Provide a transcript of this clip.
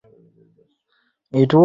ওহ, খোদা, আমি একটা মেয়ে।